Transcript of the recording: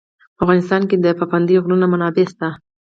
په افغانستان کې د پابندی غرونه منابع شته.